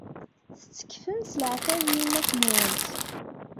Tettakfemt leɛtab i yiman-nwent.